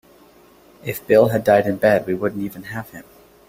If Bill had died in bed we wouldn't even have him.